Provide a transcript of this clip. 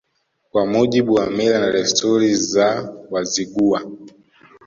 Kwa mujibu wa mila na desturi za Wazigua